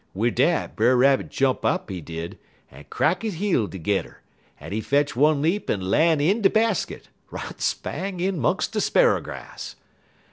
"Wid dat Brer Rabbit jump up, he did, en crack he heel tergedder, en he fetch one leap en lan' in de basket, right spang in 'mungs de sparrer grass.